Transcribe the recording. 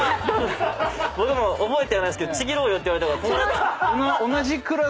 僕も覚えてはないですけど「ちぎろうよ」って言われたから。